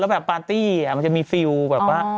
แบบปาร์ตี้มันจะมีฟิลแบบว่า